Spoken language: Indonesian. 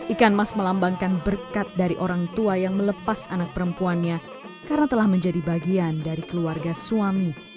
ikan mas melambangkan berkat dari orang tua yang melepas anak perempuannya karena telah menjadi bagian dari keluarga suami